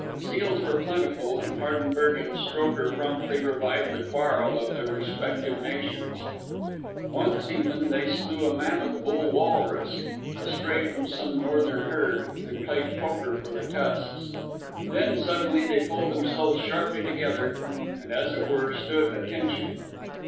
Seals were plentiful, and Hardenberg and Strokher promptly revived the quarrel of their respective nations. Once even they slew a mammoth bull walrus astray from some northern herd and played poker for the tusks. Then suddenly they pulled themselves sharply together, and, as it were, stood "attention."